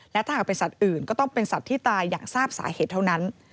และถ้าหากเป็นสัตว์อื่นก็ต้องเป็นสัตว์ที่ตายอย่างทราบสาเหตุเท่านั้น